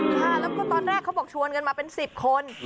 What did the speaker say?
ค่ะแล้วก็ตอนแรกเขาบอกชวนกันมาเป็น๑๐คน